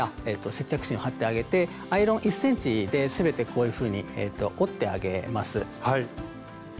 接着芯を貼ってあげてアイロン１ｃｍで全てこういうふうに折ってあげます。